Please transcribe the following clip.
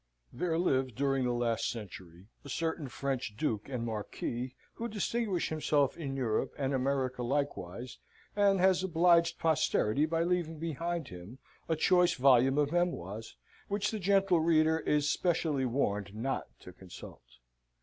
There lived, during the last century, a certain French duke and marquis, who distinguished himself in Europe, and America likewise, and has obliged posterity by leaving behind him a choice volume of memoirs, which the gentle reader is specially warned not to consult.